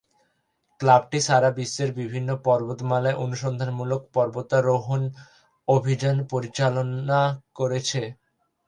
ক্লাবটি সারা বিশ্বের বিভিন্ন পর্বতমালায় অনুসন্ধানমূলক পর্বতারোহণ অভিযান পরিচালনা করেছে।